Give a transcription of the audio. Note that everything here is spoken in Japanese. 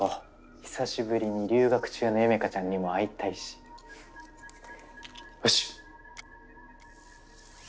久しぶりに留学中のユメカちゃんにも会いたいしよしっ！